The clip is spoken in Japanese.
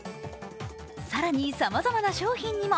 更に、さまざまな商品にも。